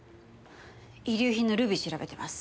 遺留品のルビー調べてます。